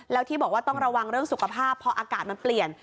แล้วที่บอกว่าต้องระวังเรื่องสุขภาพพออากาศมันเปลี่ยน